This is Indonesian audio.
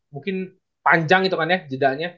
mungkin panjang itu kan ya jedanya